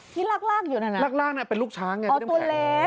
ที่ลากลากอยู่เนี่ยนะลากลากเป็นลูกช้างเนี่ย